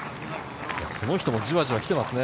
この人も、じわじわ、きてますね。